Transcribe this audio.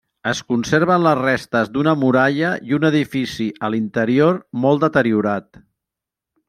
Es conserven les restes d'una muralla i un edifici a l'interior molt deteriorat.